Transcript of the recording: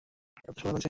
এত সকালে যে?